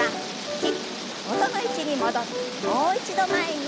元の位置に戻ってもう一度前に。